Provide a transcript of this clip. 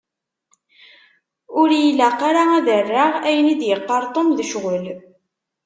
Ur y-ilaq ara ad rreɣ ayen i d-yeqqar Tom d ccɣel.